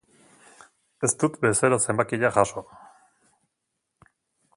Ez dut bezero zenbakia jaso.